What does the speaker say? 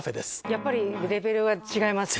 やっぱりレベルは違いますか？